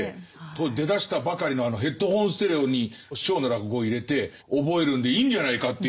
当時出だしたばかりのあのヘッドホンステレオに師匠の落語を入れて覚えるんでいいんじゃないかという若者でしたから。